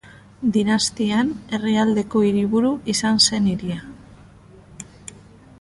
Dinastian, herrialdeko hiriburu izan zen hiria.